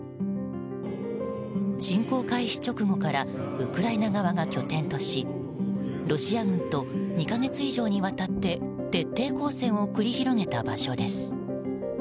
侵攻開始直後からウクライナ側が拠点としロシア軍と２か月以上にわたって徹底抗戦を繰り広げた場所です。